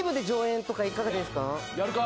やるか？